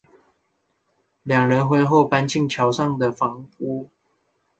两人婚后搬进桥上的房屋。